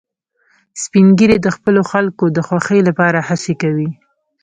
سپین ږیری د خپلو خلکو د خوښۍ لپاره هڅې کوي